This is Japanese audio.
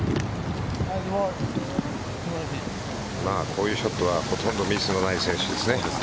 こういうショットはほとんどミスのない選手ですね。